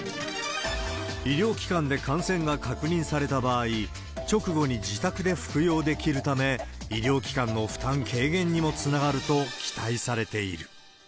医療機関で感染が確認された場合、直後に自宅で服用できるため、医療機関の負担軽減にもつながると期待されている。